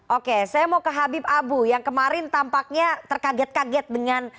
oke saya mau ke habib abu yang kemarin tampaknya terkaget kaget dengan